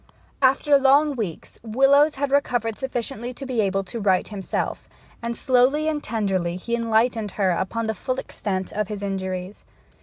After long weeks Willowes had recovered sufficiently to be able to write himself; and slowly and tenderly he enlightened her upon the full extent of his injuries.